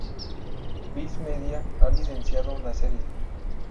Viz Media ha licenciado la serie.